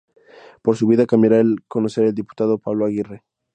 Pero su vida cambiará al conocer al diputado Pablo Aguirre.